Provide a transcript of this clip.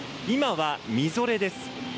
今はみぞれです。